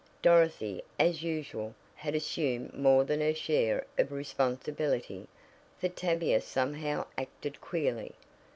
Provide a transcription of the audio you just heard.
Dorothy, as usual, had assumed more than her share of responsibility, for Tavia somehow acted queerly.